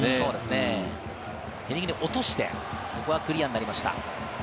ヘディングに落として、ここはクリアになりました。